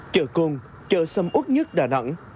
chợ côn chợ xâm út nhất đà nẵng